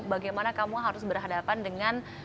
bagaimana kamu harus berhadapan dengan